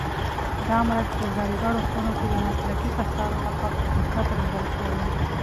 دا مرچ په ځانګړو خونو کې د مسلکي کسانو لخوا په دقت روزل شوي.